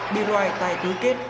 biroi tại tư kết